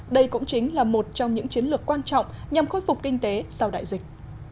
đây cũng chính là một trong những chiến lược quan trọng nhằm khôi phục kinh tế sau đại dịch